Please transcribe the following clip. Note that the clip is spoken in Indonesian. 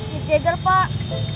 mick jagger pak